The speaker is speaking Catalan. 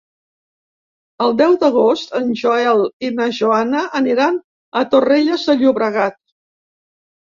El deu d'agost en Joel i na Joana aniran a Torrelles de Llobregat.